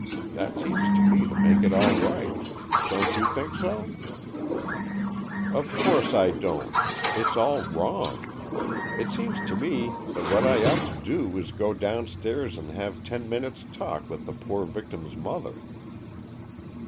That seems to me to make it all right. Don't you think so "" Of course I don't. It's all wrong. It seems to me that what I ought to do is to go down stairs and have ten minutes' talk with the poor victim's mother."